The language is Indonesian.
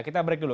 kita break dulu